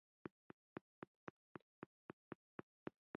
د ټیټاقې ونه یې راڅنډ وهله